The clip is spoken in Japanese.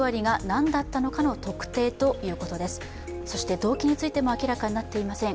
動機についても明らかになっていません。